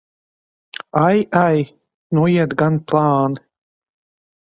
Ai, ai! Nu iet gan plāni!